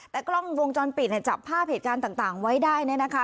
และกล้องวงจรปิดเนี่ยจับภาพเหตุการณ์ต่างไว้ได้นะคะ